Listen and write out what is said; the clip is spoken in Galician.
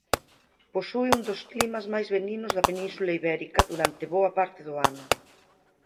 Posúe un dos climas máis benignos da Península Ibérica durante boa parte do ano.